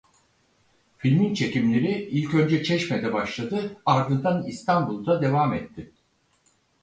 Filmin çekimleri ilk önce Çeşme'de başladı ardından İstanbul'da devam etti.